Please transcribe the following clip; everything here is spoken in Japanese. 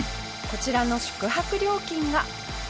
こちらの宿泊料金が。